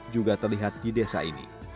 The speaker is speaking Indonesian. juga terlihat di desa ini